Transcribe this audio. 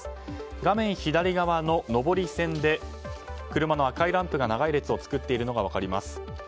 画面左側の上り線で車の赤いランプが長い列を作っているのが分かります。